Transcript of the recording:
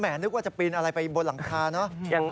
เหนือควรจะปินอะไรไปบนหลังคาเนาะ